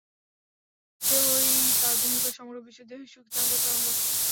দেহই তাহাদের নিকট সমগ্র বিশ্ব, দেহের সুখই তাহাদের চরম লক্ষ্য।